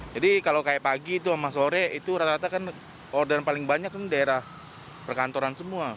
jadi kalau kayak pagi itu sama sore itu rata rata kan orderan paling banyak kan daerah perkantoran semua